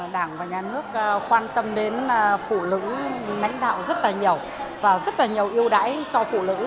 đảng và nhà nước quan tâm đến phụ nữ lãnh đạo rất là nhiều và rất là nhiều yêu đãi cho phụ nữ